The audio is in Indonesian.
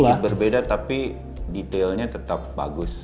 sedikit berbeda tapi detailnya tetap bagus